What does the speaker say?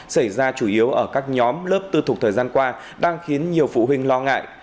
xảy ra chủ yếu ở các nhóm lớp tư thục thời gian qua đang khiến nhiều phụ huynh lo ngại